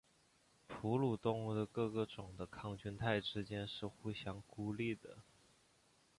哺乳动物的各个种的抗菌肽之间是互相孤立的。